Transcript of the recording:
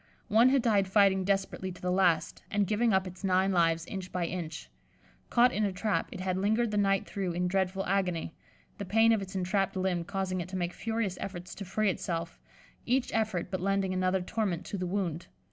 One had died fighting desperately to the last, and giving up its nine lives inch by inch. Caught in a trap, it had lingered the night through in dreadful agony, the pain of its entrapped limb causing it to make furious efforts to free itself, each effort but lending another torment to the wound.